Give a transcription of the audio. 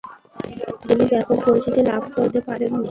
তিনি ব্যাপক পরিচিতি লাভ করতে পারেননি।